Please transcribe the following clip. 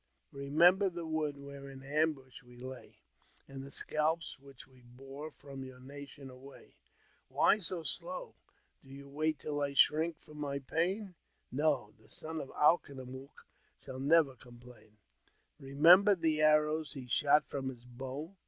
Remember the wood where in ambush we lay, And the scalps which we bore from your nation away ; Why so slow, do you wait till I shrink from my pain ? No, the son of Alknoomook shall never complain. Remember the arrows he shot from his bow.